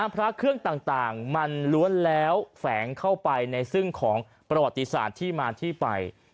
พระเครื่องต่างมันล้วนแล้วแฝงเข้าไปในซึ่งของประวัติศาสตร์ที่มาที่ไป